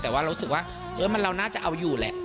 แต่ว่าเรารู้สึกว่าเราน่าจะเอาอยู่แหละ